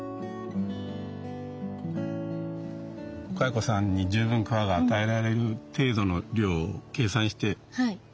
蚕さんに十分桑が与えられる程度の量を計算して切っていきます。